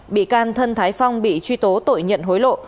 bị can thân thái phong bị truy tố tội nhận hối lộ